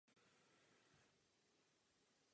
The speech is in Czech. Karoserie byla kompletně přepracována.